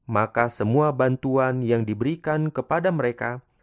maka semua bantuan yang diberikan kepada mereka